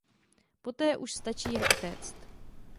Poté už stačí jen utéct.